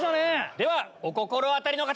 ではお心当たりの方！